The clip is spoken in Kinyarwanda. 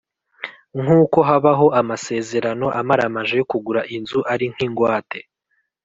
Nk'uko habaho amasezerano amaramaje yo kugura inzu ari nk'ingwate